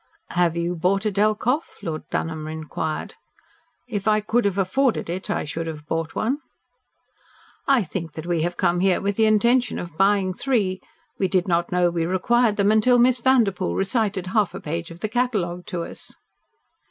"Have you bought a Delkoff?" Lord Dunholm inquired. "If I could have afforded it, I should have bought one." "I think that we have come here with the intention of buying three. We did not know we required them until Miss Vanderpoel recited half a page of the catalogue to us."